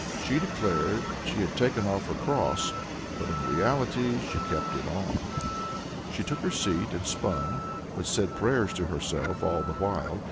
She declared she had taken off her cross, but in reality she kept it on. She took her seat and spun, but said prayers to herself all the while.